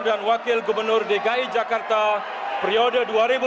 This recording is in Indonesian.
dan wakil gubernur dki jakarta periode dua ribu tujuh belas dua ribu dua puluh dua